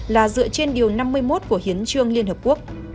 là dựa trên điều năm mươi một của hiến trương liên hợp quốc